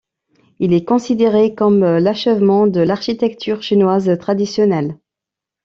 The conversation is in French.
Il est considéré comme l'achèvement de l'architecture chinoise traditionnelle.